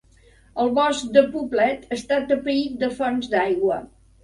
El bosc de Poblet està atapeït de fonts d'aigua.